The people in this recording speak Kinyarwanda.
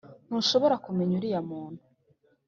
ntushobora kumenyera uriya muntu